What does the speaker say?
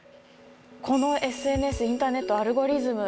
このＳＮＳインターネットアルゴリズム